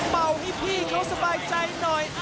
เมาไม่พี่เขาสบายใจหน่อย